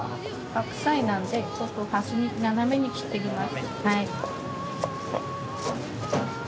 白菜なんでちょっとはすに斜めに切っていきます。